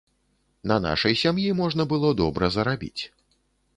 На нашай сям'і можна было добра зарабіць.